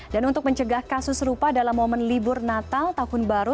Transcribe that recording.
dan untuk mencegah kasus serupa dalam momen libur natal tahun baru